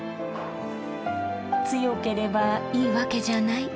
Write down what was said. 強ければいいわけじゃない。